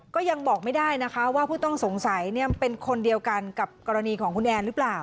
ก็ยังบอกไม่ได้นะคะว่าผู้ต้องสงสัยเป็นคนเดียวกันกับกรณีของคุณแอนหรือเปล่า